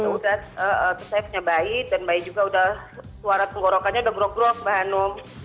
udah pesaifnya baik dan baik juga udah suara penggorokannya udah grok grok mbak hanu